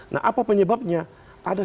nah apa penyebabnya ada